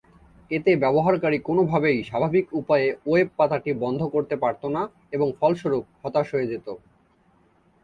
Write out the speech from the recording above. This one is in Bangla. এতে ব্যবহারকারী কোনোভাবেই স্বাভাবিক উপায়ে ওয়েব পাতাটি বন্ধ করতে পারত না এবং ফলস্বরূপ হতাশ করে যেত।